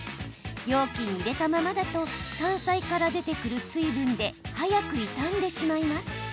容器に入れたままだと山菜から出てくる水分で早く傷んでしまいます。